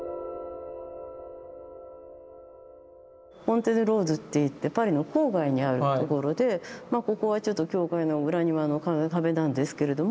フォントネ・オ・ローズっていってパリの郊外にあるところでまあここはちょっと教会の裏庭の壁なんですけれども。